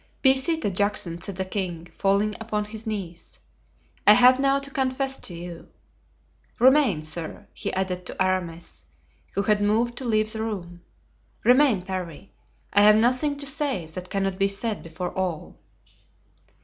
"Be seated, Juxon," said the king, falling upon his knees. "I have now to confess to you. Remain, sir," he added to Aramis, who had moved to leave the room. "Remain, Parry. I have nothing to say that cannot be said before all."